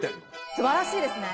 素晴らしいですね。